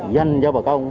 danh cho bà con